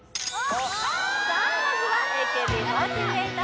さあまずはＡＫＢ４８